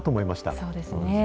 そうですね。